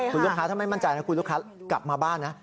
คุณลูกค้าถ้าไม่มั่นใจนะคุณลูกค้ากลับมาบ้านนะ